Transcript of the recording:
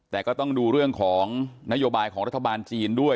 แต่ก็ต้องดูเรื่องของนโยบายของรัฐบาลจีนด้วย